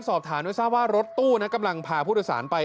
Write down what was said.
สอบถามโดยทราบว่ารถตู้กำลังพาผู้โดยสารไป